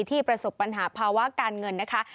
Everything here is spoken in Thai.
ประสบปัญหาภาวะการเงินนะคะ